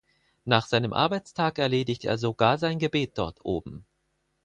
Nach seinem Arbeitstag erledigt er sogar sein Gebet dort oben.